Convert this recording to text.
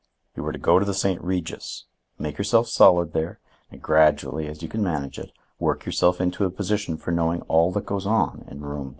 "You are to go to the St. Regis; make yourself solid there, and gradually, as you can manage it, work yourself into a position for knowing all that goes on in Room ——.